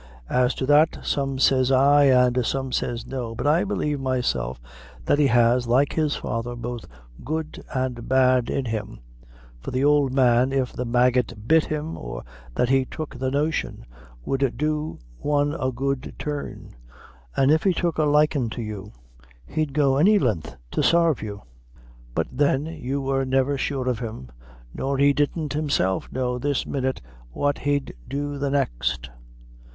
"As to that, some says ay, an' some says no; but I believe myself, that he has, like his father, both good and bad in him; for the ould man, if the maggot bit him, or that if he took the notion, would do one a good turn; an' if he took a likin' to you, he'd go any lin'th to sarve you; but, then, you were never sure of him nor he didn't himself know this minute what he'd do the next."